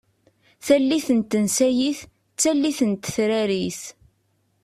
Tallit n tensayit d tallit n tetrarit.